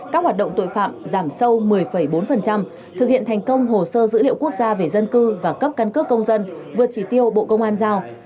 các hoạt động tội phạm giảm sâu một mươi bốn thực hiện thành công hồ sơ dữ liệu quốc gia về dân cư và cấp căn cước công dân vượt chỉ tiêu bộ công an giao